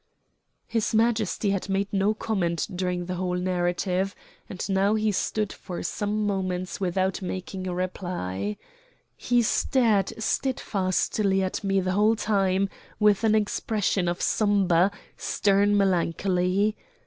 His Majesty had made no comment during the whole narrative, and now he stood for some moments without making a reply. He stared steadfastly at me the whole time with an expression of sombre, stern melancholy.